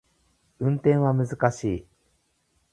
運転は難しい